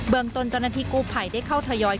เบื้องตนจณฐีกูภัยได้เข้าทยอย